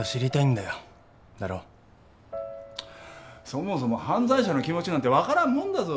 そもそも犯罪者の気持ちなんて分からんもんだぞ。